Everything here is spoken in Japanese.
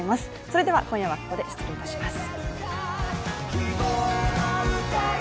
それでは今夜はこれで失礼致します